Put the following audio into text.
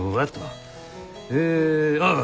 えああ。